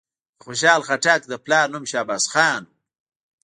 د خوشحال خان خټک د پلار نوم شهباز خان وو.